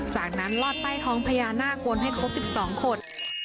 จากนั้นลอดใต้ท้องพญานาควนให้ครบ๑๒ขด